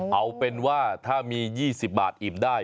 เอาเป็นว่าถ้ามี๒๐บาทอิ่มได้